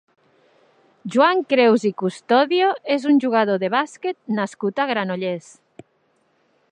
Joan Creus i Custodio és un jugador de bàsquet nascut a Granollers.